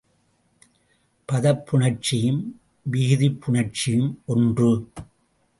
பதப் புணர்ச்சியும் விகுதிப் புணர்ச்சியும் ஒன்று.